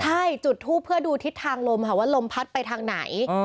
ใช่จุดทูปเพื่อดูทิศทางลมค่ะว่าลมพัดไปทางไหน